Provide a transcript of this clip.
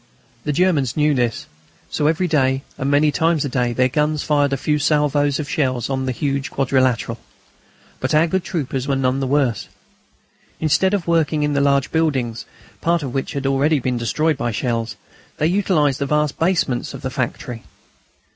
The Germans knew this. So every day and many times a day their guns fired a few salvoes of shells on the huge quadrilateral. But our good troopers were none the worse. Instead of working in the large buildings, part of which had already been destroyed by shells, they utilised the vast basements of the factory.